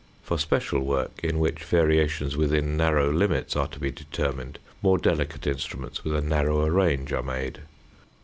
For special work, in which variations within narrow limits are to be determined, more delicate instruments with a narrower range are made.